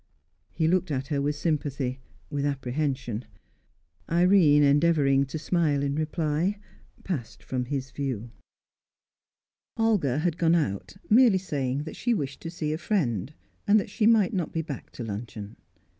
He looked at her with sympathy, with apprehension. Irene endeavouring to smile in reply, passed from his view. Olga had gone out, merely saying that she wished to see a friend, and that she might not be back to luncheon.